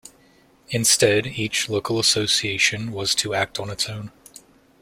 Instead, each local association was to act on its own.